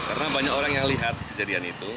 karena banyak orang yang lihat kejadian itu